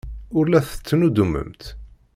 Ur la tettnuddumemt.